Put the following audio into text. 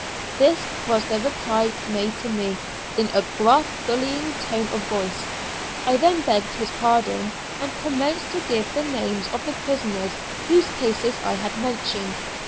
This was the reply made to me, in a gruff, bullying tone of voice. I then begged his pardon, and commenced to give the names of the prisoners whose cases I had mentioned.